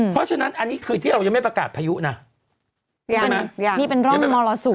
เพราะฉะนั้นอันนี้คือที่เรายังไม่ประกาศพายุนะนี่เป็นร่องมรสุม